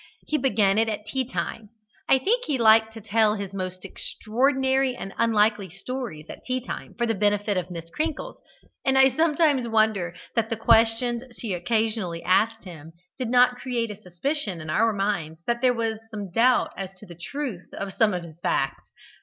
He began it at tea time: I think he liked to tell his most extraordinary and unlikely stories at tea time for the benefit of Miss Crinkles, and I sometimes wonder that the questions she occasionally asked him did not create a suspicion in our minds that there was some doubt as to the truth of some of his facts.